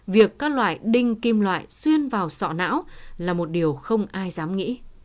việc các loại đinh kim loại xuyên vào sọ não là một điều không ai dám nghĩ